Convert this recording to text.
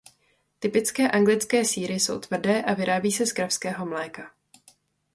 Typické anglické sýry jsou tvrdé a vyrábí se z kravského mléka.